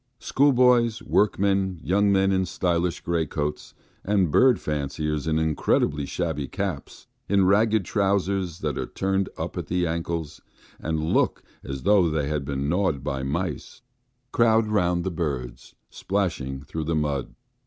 Schoolboys, workmen, young men in stylish greatcoats, and bird fanciers in incredibly shabby caps, in ragged trousers that are turned up at the ankles, and look as though they had been gnawed by mice, crowd round the birds, splashing through the mud.